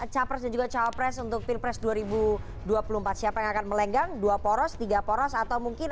capres dan juga cawapres untuk pilpres dua ribu dua puluh empat siapa yang akan melenggang dua poros tiga poros atau mungkin